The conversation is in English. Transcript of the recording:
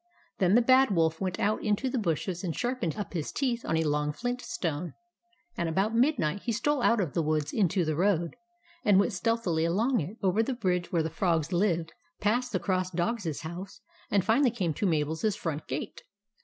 Then the Bad Wolf went out into the bushes and sharp ened up his teeth on a long flint stone ; and about midnight he stole out of the woods into the road, and w r ent stealthily along it, over the bridge where the Frogs lived, past the Cross Dog's house, and finally came to Mabel's front gate.